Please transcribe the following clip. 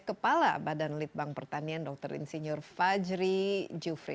kepala badan litbang pertanian dr insinyur fajri jufri